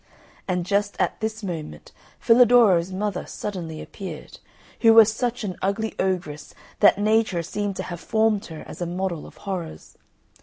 And just at this moment Filadoro's mother suddenly appeared, who was such an ugly ogress that Nature seemed to have formed her as a model of horrors.